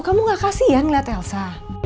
kamu gak kasian ngeliat elsa